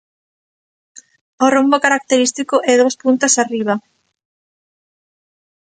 O rombo característico e dous puntas arriba.